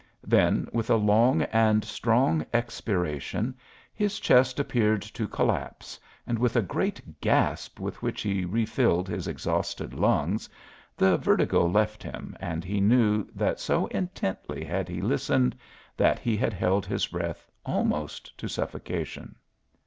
Then, with a long and strong expiration, his chest appeared to collapse, and with the great gasp with which he refilled his exhausted lungs the vertigo left him and he knew that so intently had he listened that he had held his breath almost to suffocation.